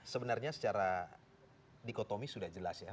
sebenarnya secara dikotomi sudah jelas ya